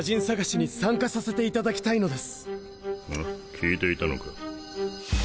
聞いていたのか。